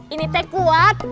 ini tek kuat